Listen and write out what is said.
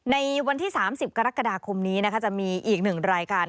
ในวันที่๓๐กรกฎาคมนี้นะคะจะมีอีก๑รายการ